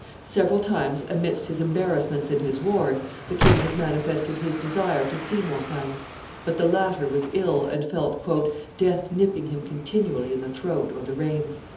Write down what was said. Several times, amidst his embarrassments and his wars, the king had manifested his desire to see Montaigne; but the latter was ill, and felt "death nipping him continually in the throat or the reins."